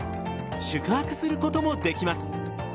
宿泊することもできます。